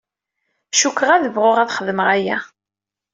Cukkeɣ ad bɣuɣ ad xedmeɣ aya.